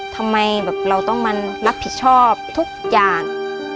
ทำไมแบบเราต้องมารับผิดชอบทุกอย่าง